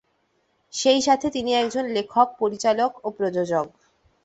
সেই সাথে তিনি একজন লেখক, পরিচালক, ও প্রযোজক।